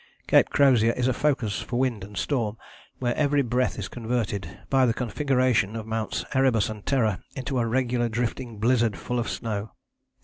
Cape Crozier is a focus for wind and storm, where every breath is converted, by the configuration of Mounts Erebus and Terror, into a regular drifting blizzard full of snow.